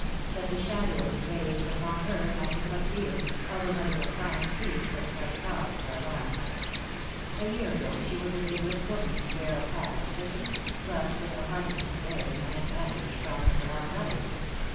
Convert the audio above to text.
That the shadow of the grave is upon her I can but fear, although medical science sees but slight cause for alarm. A year ago she was a vigorous woman, spare of habit certainly, but with a hardness of bearing and manner which promised a long life.